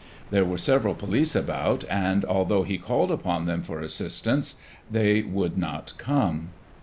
There were several police about, and, although he called upon them for assistance, they would not come.